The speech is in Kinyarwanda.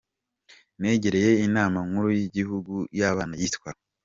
Negereye inama nkuru yigihugu yabana yitwa.